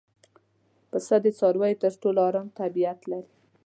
پسه د څارویو تر ټولو ارام طبیعت لري.